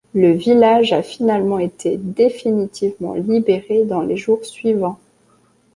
Le village a finalement été définitivement libéré dans les jours suivants.